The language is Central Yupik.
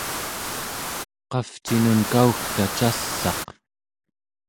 qavcinun kaugta cass'aq?